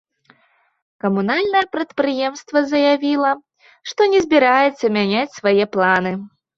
Камунальнае прадпрыемства заявіла, што не збіраецца мяняць свае планы.